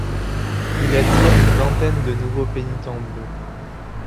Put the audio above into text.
Il attire une vingtaine de nouveaux pénitents bleus.